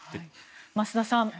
増田さん